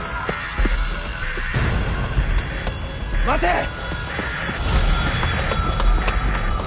待て！